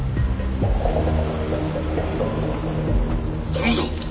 頼むぞ！